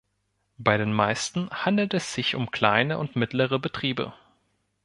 Bei den meisten handelt es sich um kleine und mittlere Betriebe.